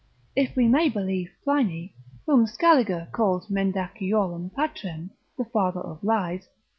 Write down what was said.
If we may believe Pliny, whom Scaliger calls mendaciorum patrem, the father of lies, Q.